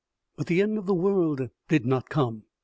But the end of the world did not come.